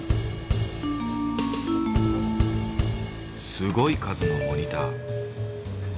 すごい数のモニター。